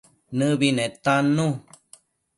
Nëbi netannu